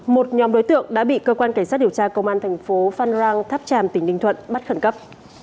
một nhóm đối tượng đã bị cơ quan cảnh sát điều tra công an thành phố phan rang tháp tràm tỉnh ninh thuận bắt khẩn cấp